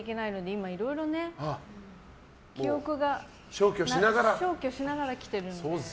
今、いろいろね記憶が消去しながら来てるので。